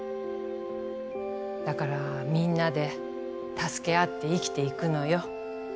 だからみんなで助け合って生きていくのよ。